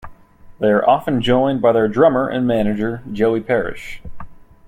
They are often joined by their drummer and manager, Joey Parish.